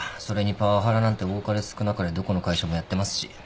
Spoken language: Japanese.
それにパワハラなんて多かれ少なかれどこの会社もやってますし。